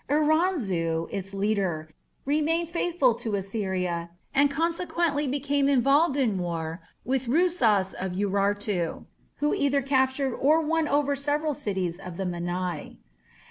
Iranzu, its ruler, remained faithful to Assyria and consequently became involved in war with Rusas of Urartu, who either captured or won over several cities of the Mannai.